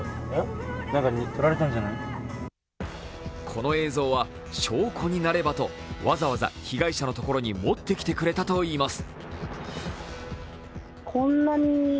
この映像は証拠になればと、わざわざ、被害者のところに持ってきてくれたといいます。